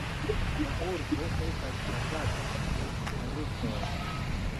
La urbo estas ŝatata de turistoj.